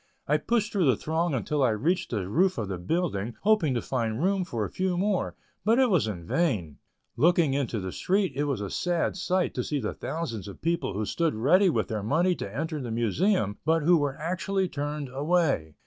I pushed through the throng until I reached the roof of the building, hoping to find room for a few more, but it was in vain. Looking down into the street it was a sad sight to see the thousands of people who stood ready with their money to enter the Museum, but who were actually turned away.